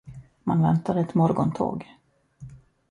Man väntade ett morgontåg.